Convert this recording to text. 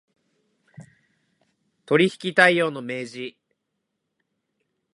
取引態様の明示